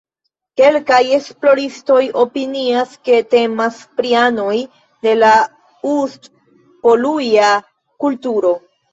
Kelkaj esploristoj opinias, ke temas pri anoj de la Ust-Poluja kulturo.